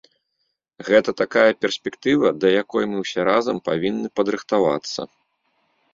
Гэта такая перспектыва, да якой мы ўсе разам павінны падрыхтавацца.